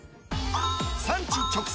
産地直送！